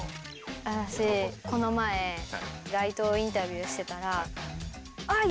私この前街頭インタビューしてたら。